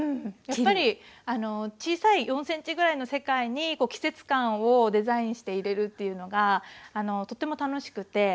やっぱり小さい４ｃｍぐらいの世界に季節感をデザインして入れるっていうのがとっても楽しくて。